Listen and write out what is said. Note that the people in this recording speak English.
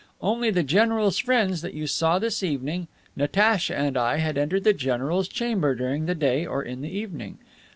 Only the general's friends that you saw this evening, Natacha and I had entered the general's chamber during the day or in the evening.